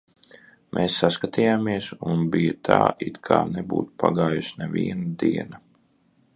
Mēs saskatījāmies, un bija tā, it kā nebūtu pagājusi neviena diena.